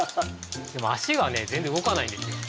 でも足はね全然動かないんですよ。